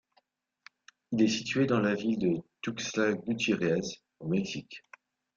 Il est situé dans la ville de Tuxtla Gutiérrez, au Mexique.